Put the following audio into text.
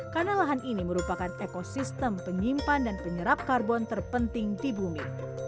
karena lahan ini merupakan ekosistem penyimpan dan penyerap karbon terpenting di bumi